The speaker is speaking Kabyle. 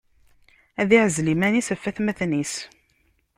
Ad iɛzel iman-is ɣef watmaten-is.